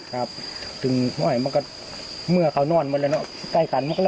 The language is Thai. ครับถึงเมื่อเขานอนมาแล้วเนอะใกล้กัน